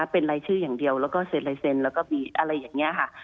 เป็นรายชื่ออย่างเดียวแล้วก็เซ็นลายเซ็นแล้วก็มีอะไรอย่างนี้ค่ะ